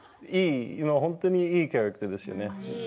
ホントにいいキャラクターですよね。